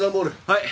はい。